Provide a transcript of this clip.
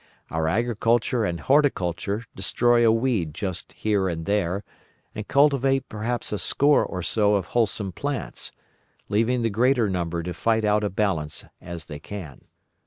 Our agriculture and horticulture destroy a weed just here and there and cultivate perhaps a score or so of wholesome plants, leaving the greater number to fight out a balance as they can.